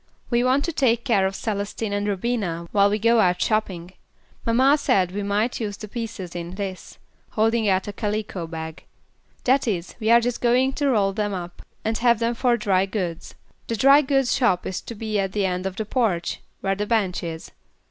We want you to take care of Celestine and Rubina, while we go out shopping. Mamma said we might use the pieces in this," holding out a calico bag. "That is, we are just going to roll them up and have them for dry goods. The dry goods shop is to be at the end of the porch, where the bench is.